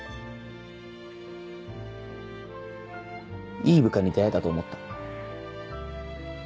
いい部下に出会えたと思った。